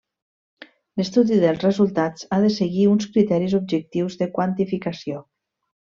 L'estudi dels resultats ha de seguir uns criteris objectius de quantificació.